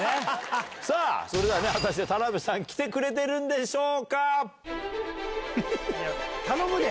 さあ、それでは果たして、田辺さん、来てくれてるんでしょ頼むで。